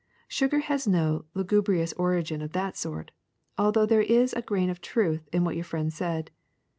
Sugar has no lugubrious origin of that sort, although there is a grain of truth in what your friend said.